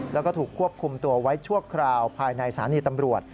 แล้วก็ถูกควบคุมตัวไว้ชั่วคราวภายในสถานีตำรวจ